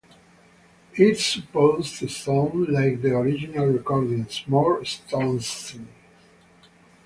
It's supposed to sound like the original recordings-- more Stones-y.